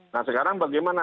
nah sekarang bagaimana